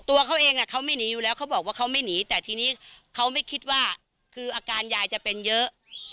ตัวเขาเองเขาไม่หนีอยู่แล้วเขาบอกว่าเขาไม่หนีแต่ทีนี้เขาไม่คิดว่าคืออาการยายจะเป็นเยอะ